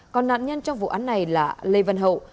còn nạn nhân trong vụ án này là lê văn hậu